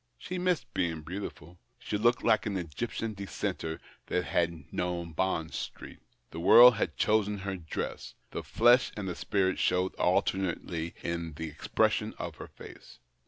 She missed being beautiful. She looked like an Egyptian dissenter that had known Bond Street, The w^orld had chosen her dress ; the flesh and the spirit showed alternately in the expression of her face.